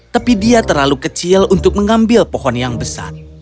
tapi dia terlalu kecil untuk mengambil pohon yang besar